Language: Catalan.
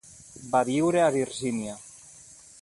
Va viure a Virgínia.